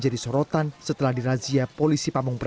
kita harus tegas pak